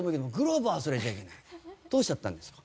どうしちゃったんですか？